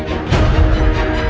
aku mau pergi